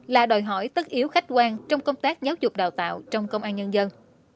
là đòi hỏi tất yếu khách quan trong công tác giáo dục đào tạo trong công an nhân dân